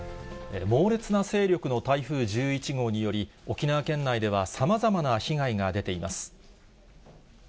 猛烈な勢力の台風１１号により、沖縄県内ではさまざまな被害が出ています。